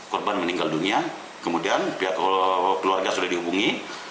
korban meninggal dunia kemudian pihak keluarga sudah dihubungi